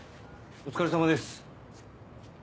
お疲れさまです。